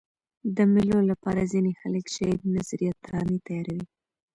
د مېلو له پاره ځيني خلک شعر، نثر یا ترانې تیاروي.